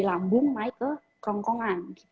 lambung naik ke kerongkongan